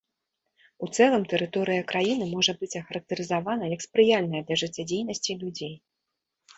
У цэлым тэрыторыя краіны можа быць ахарактарызавана як спрыяльная для жыццядзейнасці людзей.